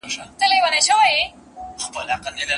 سعدي رحمه الله فرمايلي دي.